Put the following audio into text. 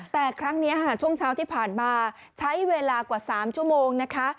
แต่ครั้งนี้ช่วงเช้าที่ผ่านมาใช้เวลากว่า๓ชั่วโมงนะคะ